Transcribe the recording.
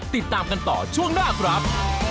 ติดตามกันต่อช่วงหน้าครับ